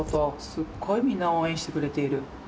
すっごくみんな応援してくれている。